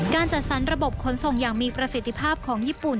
จัดสรรระบบขนส่งอย่างมีประสิทธิภาพของญี่ปุ่น